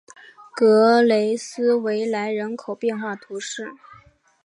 格雷斯维莱人口变化图示